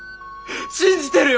信じてるよ。